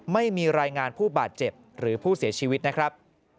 ไม่มีรายงานผู้บาดเจ็บหรือผู้เสียชีวิตนะครับ